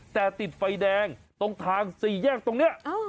แต่ติดไฟแดงตรงทางสี่แยกตรงนี้